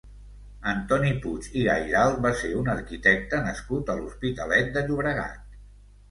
Antoni Puig i Gairalt va ser un arquitecte nascut a l'Hospitalet de Llobregat.